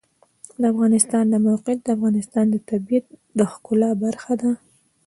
د افغانستان د موقعیت د افغانستان د طبیعت د ښکلا برخه ده.